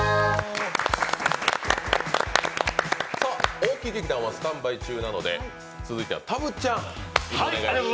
大木劇団はスタンバイ中なので、続いてはたぶっちゃん。